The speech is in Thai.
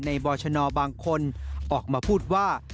บอชนบางคนออกมาพูดว่า